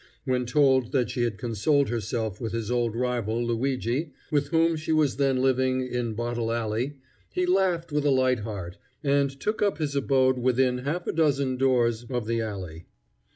When told that she had consoled herself with his old rival, Luigi, with whom she was then living in Bottle Alley, he laughed with a light heart, and took up his abode within half a dozen doors of the alley.